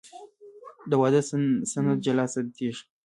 د واده سند جلا ثبتېږي.